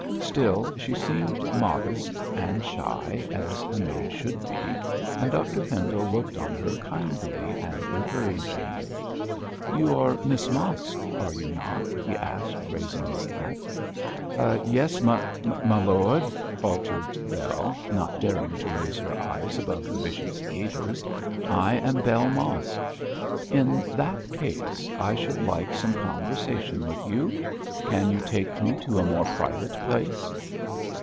Still she seemed modest and shy as a maid should be, and Dr Pendle looked on her kindly and encouragingly. 'You are Miss Mosk, are you not?' he asked, raising his hat. 'Yes, my my lord,' faltered Bell, not daring to raise her eyes above the bishop's gaiters. 'I am Bell Mosk.' 'In that case I should like some conversation with you. Can you take me to a more private place?'